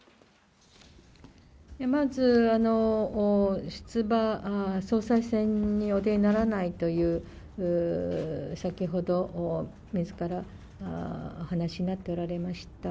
まず、出馬、総裁選にお出にならないという、先ほどみずからお話しになっておられました。